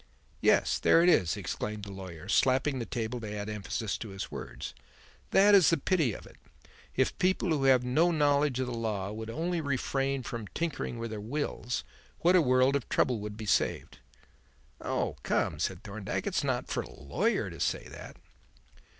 "Yes. There it is," exclaimed the lawyer, slapping the table to add emphasis to his words. "That is the pity of it! If people who have no knowledge of law would only refrain from tinkering at their wills, what a world of trouble would be saved!" "Oh, come!" said Thorndyke. "It is not for a lawyer to say that."